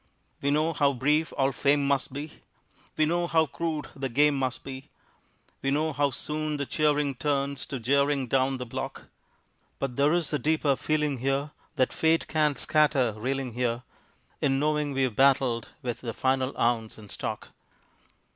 We know how brief all fame must be, We know how crude the game must be, We know how soon the cheering turns to jeering down the block; But there's a deeper feeling here That Fate can't scatter reeling here, In knowing we have battled with the final ounce in stock.